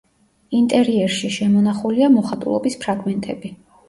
ინტერიერში შემონახულია მოხატულობის ფრაგმენტები.